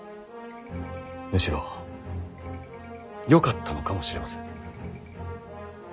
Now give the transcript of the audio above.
むしろよかったのかもしれません。